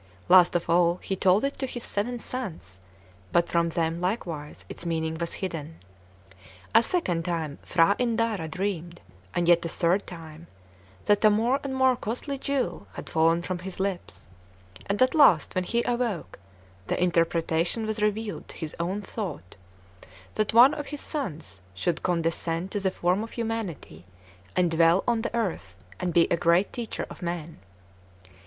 Last of all, he told it to his seven sons; but from them likewise its meaning was hidden. A second time P'hra Indara dreamed, and yet a third time, that a more and more costly jewel had fallen from his lips; and at last, when he awoke, the interpretation was revealed to his own thought, that one of his sons should condescend to the form of humanity, and dwell on the earth, and be a great teacher of men.